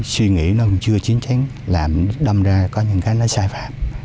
suy nghĩ nó cũng chưa chính thức làm đâm ra có những cái nó sai phạm